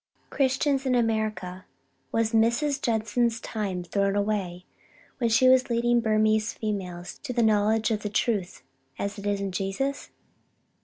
Christians in America, was Mrs. Judson's time thrown away, when she was leading Burmese females to the knowledge of the truth as it is in Jesus?